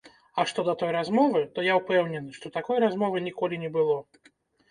А што да той размовы, то я ўпэўнены, што такой размовы ніколі не было.